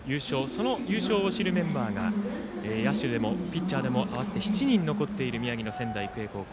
その優勝を知るメンバーが野手でもピッチャーでも合わせて７人残っている宮城の仙台育英高校。